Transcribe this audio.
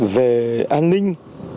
về an ninh